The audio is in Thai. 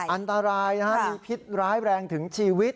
อันตรายนะฮะมีพิษร้ายแรงถึงชีวิต